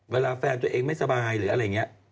เวลาแฟนตัวเองไม่สบายหรืออะไรอย่างนี้